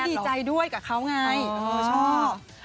ดีใจด้วยกับเขาไงชอบ